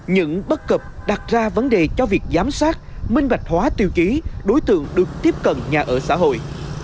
những bất cập đặt ra vấn đề cho việc giám sát minh bạch hóa tiêu chí đối tượng được tiếp cận nhà ở xã hội